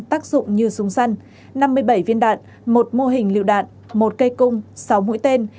tác dụng như súng săn năm mươi bảy viên đạn một mô hình lựu đạn một cây cung sáu mũi tên